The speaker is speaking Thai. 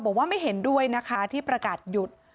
บอกว่าไม่เห็นด้วยนะคะที่ประกาศหยุด